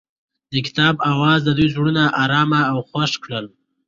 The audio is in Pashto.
د کتاب اواز د دوی زړونه ارامه او خوښ کړل.